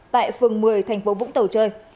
tại phường một mươi thành phố vũng tàu chơi